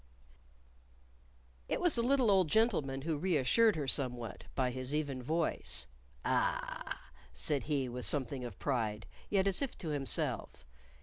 _" It was the little old gentleman who reassured her somewhat by his even voice. "Ah!" said he with something of pride, yet as if to himself.